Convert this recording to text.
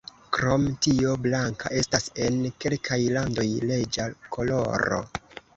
Krom tio blanka estas en kelkaj landoj reĝa koloro.